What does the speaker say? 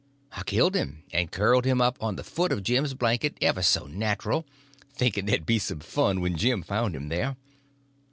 I killed him, and curled him up on the foot of Jim's blanket, ever so natural, thinking there'd be some fun when Jim found him there.